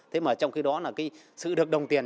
thế mà trong khi đó là cái sự được đồng tiền